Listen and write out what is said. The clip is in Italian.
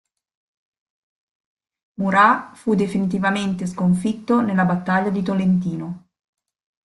Murat fu definitivamente sconfitto nella battaglia di Tolentino.